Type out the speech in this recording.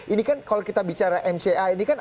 ini kan kalau kita bicara mca ini kan